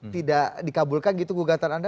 tidak dikabulkan gitu gugatan anda